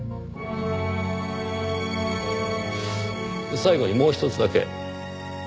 最後にもうひとつだけ。